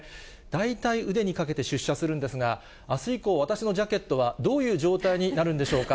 大体腕にかけて出社するんですが、あす以降、私のジャケットはどういう状態になるんでしょうか。